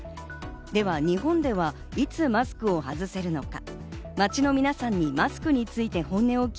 では日本ではいつマスクを外せるのか。